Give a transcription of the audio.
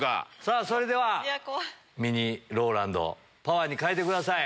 それではミニＲＯＬＡＮＤパワーに変えてください。